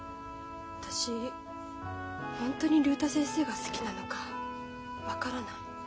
私ホントに竜太先生が好きなのか分からない。